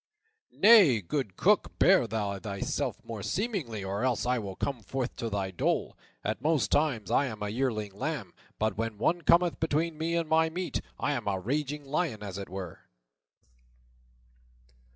"Nay, good Cook, bear thou thyself more seemingly, or else I will come forth to thy dole. At most times I am as a yearling lamb, but when one cometh between me and my meat, I am a raging lion, as it were."